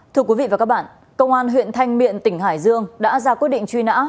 thưa quý vị và các bạn công an huyện thanh miện tỉnh hải dương đã ra quyết định truy nã